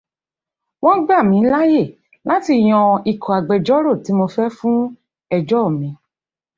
Wọ́n gbà mí láàyè láti yan ikọ̀ agbẹjọ́rò tí mo fẹ́ fún ẹjọ́ mi